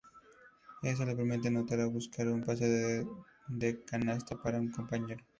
Eso le permite anotar o buscar un pase de canasta para un compañero.